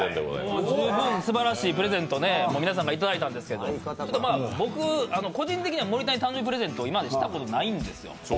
もうすばらしいプレゼントを皆さんからいただいたんですけど、僕、個人的には森田に誕生日プレゼント、今までしたことないんですよ。